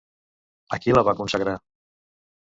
A qui la va consagrar?